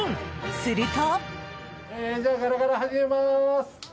すると。